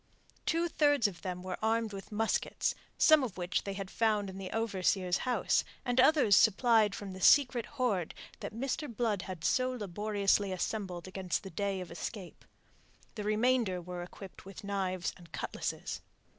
Two thirds of them were armed with muskets, some of which they had found in the overseer's house, and others supplied from the secret hoard that Mr. Blood had so laboriously assembled against the day of escape. The remainder were equipped with knives and cutlasses.